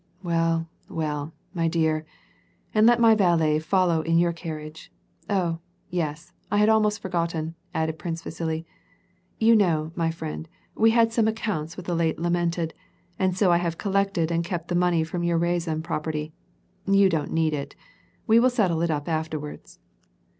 "Well, well, my dear. And let my valet follow in your car riage. Oh, yes, I had almost forgotten," added Prince Vasili. "You know, my friend, we had some accounts with the late lamented, and so I have collected and kept the money from your Riazan property : you don't need it. We will settle it np afterwards."